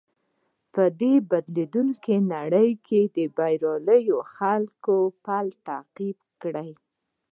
په دې بدليدونکې نړۍ کې د برياليو خلکو پل تعقيب کړئ.